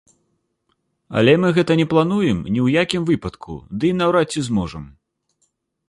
Але мы гэта не плануем ні ў якім выпадку, ды і наўрад ці зможам.